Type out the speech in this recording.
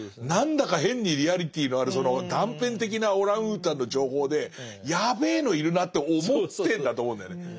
何だか変にリアリティーのあるその断片的なオランウータンの情報でやべえのいるなって思ってんだと思うんだよね。